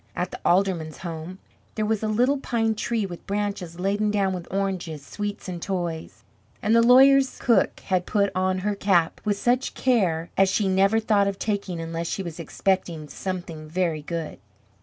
At the alderman's home there was a little pine tree with branches laden down with oranges, sweets, and toys. And the lawyer's cook had put on her cap with such care as she never thought of taking unless she was expecting something very good!